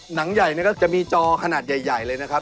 หนังใหญ่ก็จะมีจอขนาดใหญ่เลยนะครับ